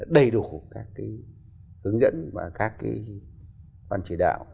đầy đủ các cái hướng dẫn và các cái văn chỉ đạo